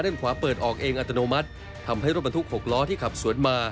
ขวาเปิดออกเองอัตโนมัติทำให้รถบรรทุก๖ล้อที่ขับสวนมา